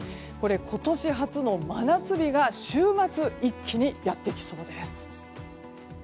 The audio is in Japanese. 今年初の真夏日が週末一気にやってきそうです。